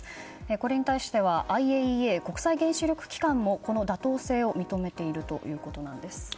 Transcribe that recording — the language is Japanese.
これに対してはＩＡＥＡ・国際原子力機関もこの妥当性を認めているということです。